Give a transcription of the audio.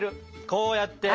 こうやって。